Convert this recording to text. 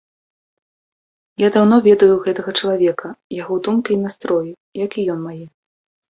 Я даўно ведаю гэтага чалавека, яго думкі і настроі, як і ён мае.